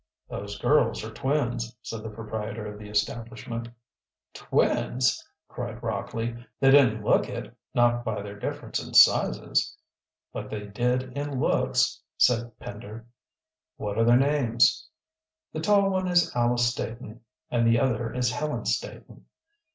"Those girls are twins," said the proprietor of the establishment. "Twins!" cried Rockley. "They didn't look it not by their difference in sizes." "But they did in looks," said Pender. "What are their names?" "The tall one is Alice Staton and the other is Helen Staton.